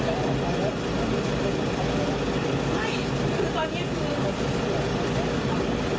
เตรียมกล้ามเห็น